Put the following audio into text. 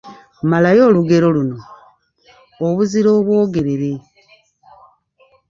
Malayo olugero luno: Obuzira obwogerere…